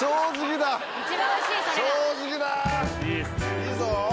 いいぞ。